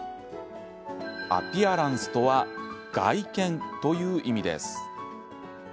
アピアランスとは外見という意味です。